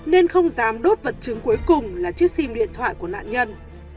nên không dám đốt vật chứng cuối cùng là chiếc sim điện thoại của nạn nhân